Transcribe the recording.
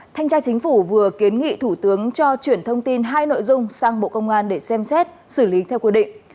thanh tra chính phủ vừa kiến nghị thủ tướng cho chuyển thông tin hai nội dung sang bộ công an để xem xét xử lý theo quy định